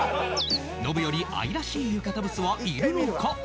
ノブより愛らしい浴衣ブスはいるのか？